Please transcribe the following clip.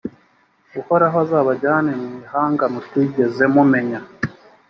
uhoraho azabajyana mu ihanga mutigeze mumenya,